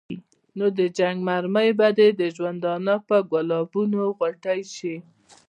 نو د جنګ مرمۍ به د ژوندانه د ګلابونو غوټۍ شي.